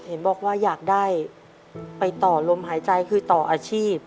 เห็นบอกว่าอยากได้ไปต่อลมหายใจคือต่ออาชีพ